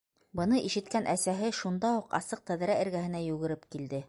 Быны ишеткән әсәһе шунда уҡ асыҡ тәҙрә эргәһенә йүгереп килде: